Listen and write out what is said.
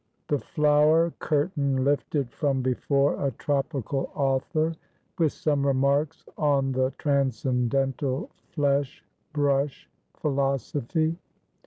THE FLOWER CURTAIN LIFTED FROM BEFORE A TROPICAL AUTHOR, WITH SOME REMARKS ON THE TRANSCENDENTAL FLESH BRUSH PHILOSOPHY.